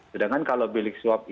sedangkan kalau bilik swab